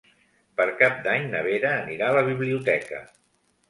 Per Cap d'Any na Vera anirà a la biblioteca.